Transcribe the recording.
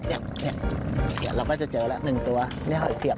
เราก็จะเจอแล้ว๑ตัวเนี่ยหอยเสียบ